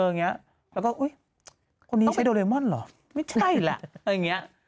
อย่างเงี้ยแล้วก็อุ๊ยคนนี้ใช่โดเรมอนเหรอไม่ใช่แหละอย่างเงี้ย